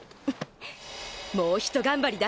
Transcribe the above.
もうひと頑張りだ！